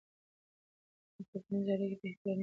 د ټولنیزو اړیکو بېاحترامي مه کوه.